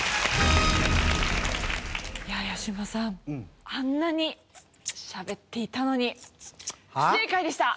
いや八嶋さんあんなにしゃべっていたのに不正解でした。